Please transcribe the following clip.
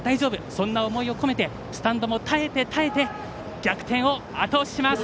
そんな思いを込めてスタンドも耐えて耐えて逆転をあと押しします。